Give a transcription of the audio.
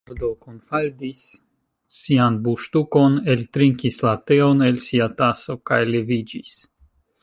Leonardo kunfaldis sian buŝtukon, eltrinkis la teon el sia taso, kaj leviĝis.